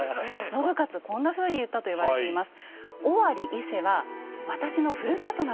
信雄こんなふうに言ったと言われています。